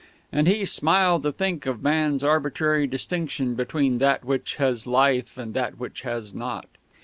And he smiled to think of man's arbitrary distinction between that which has life and that which has not.